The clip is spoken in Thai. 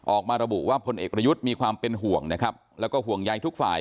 ออกมาระบุว่าพลเอกประยุทธ์มีความเป็นห่วงนะครับแล้วก็ห่วงใยทุกฝ่าย